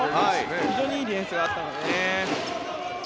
非常にいいディフェンスがあったので。